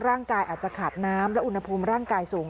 ร่างกายอาจจะขาดน้ำและอุณหภูมิร่างกายสูง